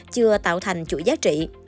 chưa tạo thành chuỗi giá trị